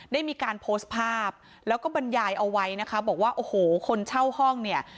ได้มีการโพสต์ภาพแล้วก็บรรยายเอาไว้นะคะบอกว่าโอ้โหคนเช่าห้องเนี่ย